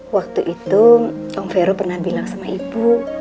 waktu itu om vero pernah bilang sama ibu